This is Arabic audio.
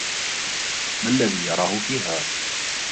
ما الذي يراهُ فيها ؟